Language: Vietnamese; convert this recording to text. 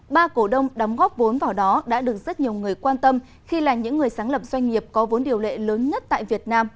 ba cổ đông đóng góp vốn vào đó đã được rất nhiều người quan tâm khi là những người sáng lập doanh nghiệp có vốn điều lệ lớn nhất tại việt nam